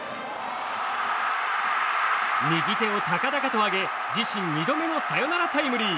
右手を高々と上げ自身２度目のサヨナラタイムリー。